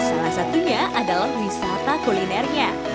salah satunya adalah wisata kulinernya